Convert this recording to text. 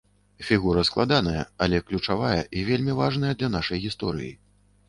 Фігура складаная, але ключавая і вельмі важная для нашай гісторыі.